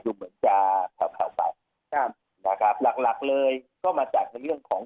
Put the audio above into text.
ดูเหมือนจะแผ่วไปหลักเลยก็มาจากเรื่องของ